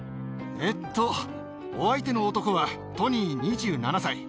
えっと、お相手の男はトニー２７歳。